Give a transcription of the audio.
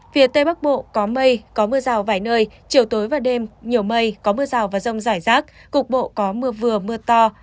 phía tây bắc bộ có mây có mưa rào vài nơi chiều tối và đêm nhiều mây có mưa rào và rông rải rác cục bộ có mưa vừa mưa to